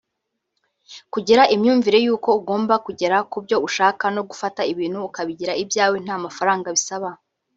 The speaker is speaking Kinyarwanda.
Kugira imyumvire y’uko ugomba kugera ku byo ushaka no gufata ibintu ukabigira ibyawe nta mafaranga bisaba